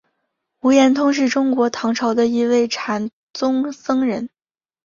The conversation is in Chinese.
无言通是中国唐朝的一位禅宗僧人。